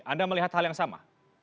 anda melihat hal yang sama